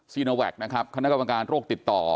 สินวัคคณะกรรมการโรคติดต่อ